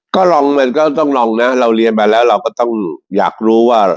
ก็ลองมันก็ต้องลองนะเราเรียนมาแล้วเราก็ต้องอยากรู้ว่า